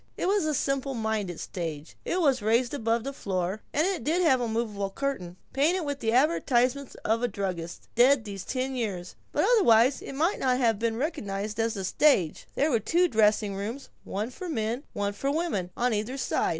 It was a simple minded stage. It was raised above the floor, and it did have a movable curtain, painted with the advertisement of a druggist dead these ten years, but otherwise it might not have been recognized as a stage. There were two dressing rooms, one for men, one for women, on either side.